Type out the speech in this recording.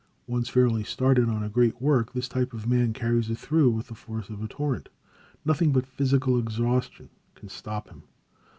Once fairly started on a great work, this type of man carries it through with the force of a torrent. Nothing but physical exhaustion can stop him.